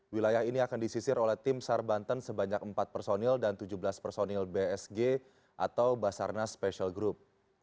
wilayah ini akan disisir oleh tim sar banten sebanyak empat personil dan tujuh belas personil bsg atau basarnas special group